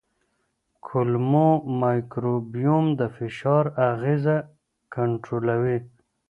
کولمو مایکروبیوم د فشار اغېزه کنټرولوي.